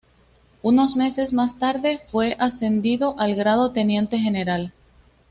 Unos meses más tarde fue ascendido al grado Teniente general.